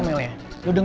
kayaknya bakal rusuh nih